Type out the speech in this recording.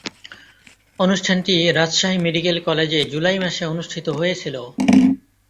অনুষ্ঠানটি রাজশাহী মেডিকেল কলেজে জুলাই মাসে অনুষ্ঠিত হয়েছিলো।